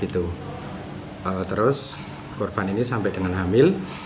terus korban ini sampai dengan hamil